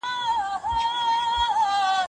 کمپيوټر شمېرې ښيي.